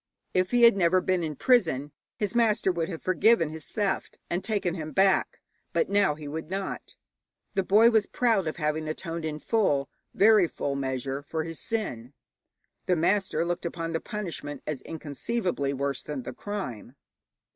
If he had never been in prison, his master would have forgiven his theft and taken him back, but now he would not. The boy was proud of having atoned in full, very full, measure for his sin; the master looked upon the punishment as inconceivably worse than the crime.